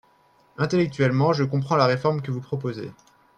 Intellectuellement, je comprends la réforme que vous proposez.